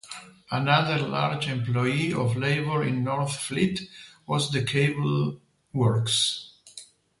Another large employee of labour in Northfleet was the cable works.